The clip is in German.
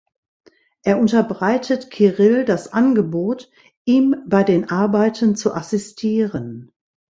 Er unterbreitet Kirill das Angebot, ihm bei den Arbeiten zu assistieren.